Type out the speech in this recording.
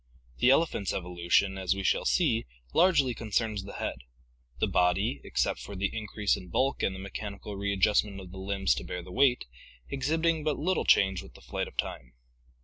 The elephants' evolution, as we shall see, largely concerns the head; the body, except for the increase in bulk and the mechanical readjustment of the limbs to bear the weight, exhibiting but little change with the flight of time.